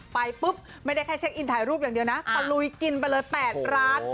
ไปปุ๊บไม่ได้แค่เช็คอินถ่ายรูปอย่างเดียวนะตะลุยกินไปเลย๘ร้าน